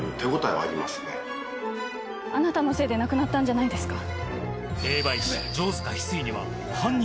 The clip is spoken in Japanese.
あなたのせいで亡くなったんじゃないですか？